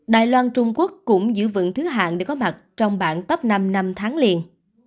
đài loan trung quốc cũng giữ vững thứ hạng để có mặt trong bảng top năm năm tháng liền